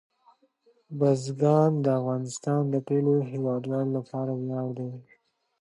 بزګان د افغانستان د ټولو هیوادوالو لپاره ویاړ دی.